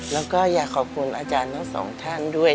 แล้วก็อยากขอบคุณอาจารย์ทั้งสองท่านด้วย